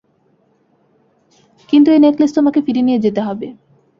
কিন্তু এ নেকলেস তোমাকে ফিরে নিয়ে যেতে হবে।